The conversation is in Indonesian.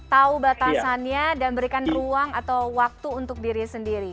tahu batasannya dan berikan ruang atau waktu untuk diri sendiri